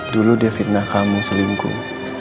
dulu dia fitnah kamu selingkuh